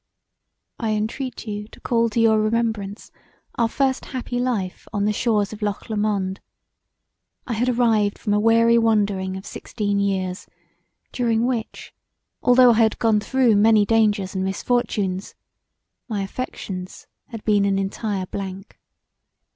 "I entreat you to call to your remembrance our first happy life on the shores of Loch Lomond. I had arrived from a weary wandering of sixteen years, during which, although I had gone through many dangers and misfortunes, my affections had been an entire blank.